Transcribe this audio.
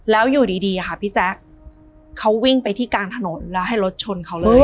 แล้วอยู่ดีค่ะพี่แจ๊คเขาวิ่งไปที่กลางถนนแล้วให้รถชนเขาเลย